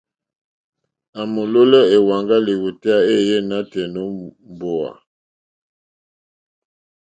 À mòlólɛ́ èwàŋgá lìwòtéyá éèyé nǎtɛ̀ɛ̀ nǒ mbówà.